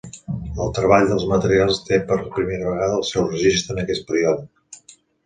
El treball dels materials té per primera vegada el seu registre en aquest període.